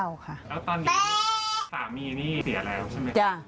แล้วตอนนี้สามีนี่เสียแล้วใช่ไหม